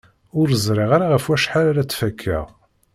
Ur ẓriɣ ara ɣef wacḥal ara tt-fakeɣ!